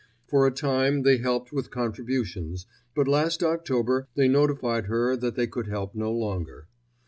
For a time they helped with contributions, but last October they notified her that they could help no longer.